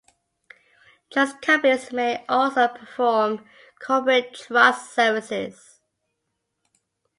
Trust companies may also perform corporate trust services.